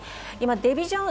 デビジョン